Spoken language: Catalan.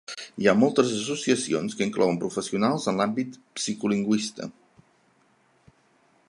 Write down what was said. Hi ha moltes associacions que inclouen professionals en l'àmbit psicolingüista.